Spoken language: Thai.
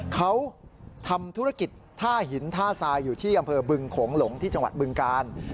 เขาทำธุรกิจท่าหินท่าทรายอยู่ที่อำเภอบึงโขงหลงที่จังหวัดบึงกาล